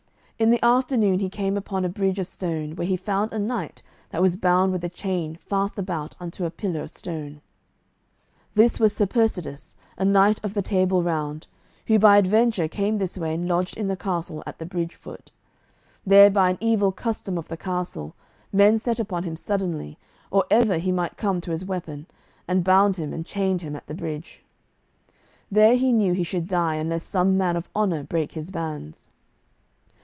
In the afternoon he came upon a bridge of stone, where he found a knight that was bound with a chain fast about unto a pillar of stone. This was Sir Persides, a knight of the Table Round, who by adventure came this way and lodged in the castle at the bridge foot. There by an evil custom of the castle men set upon him suddenly or ever he might come to his weapon, and bound him, and chained him at the bridge. There he knew he should die unless some man of honour brake his bands.